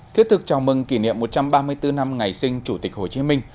thiết thực chào mừng kỷ niệm một trăm ba mươi bốn năm ngày sinh chủ tịch hồ chí minh